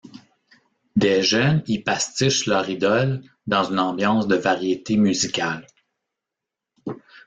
Des jeunes y pastichent leurs idoles dans une ambiance de variétés musicales.